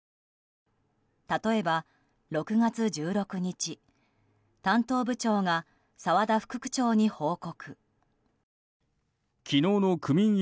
例えば６月１６日担当部長が澤田副区長に報告。